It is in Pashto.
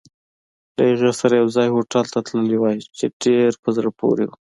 له هغې سره یوځای هوټل ته تللی وای، چې ډېر په زړه پورې وو.